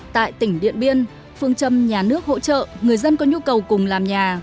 tại tỉnh điện biên phương châm nhà nước hỗ trợ người dân có nhu cầu cùng làm nhà